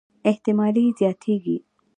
احتمالي یې زياتېږي.